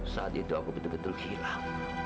saat itu aku betul betul hilang